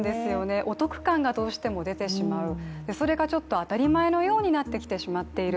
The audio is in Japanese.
お得感がどうしても出てしまう、それが当たり前のようになってきてしまっている。